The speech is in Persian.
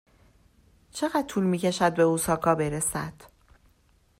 چقدر طول می کشد به اوساکا برسد؟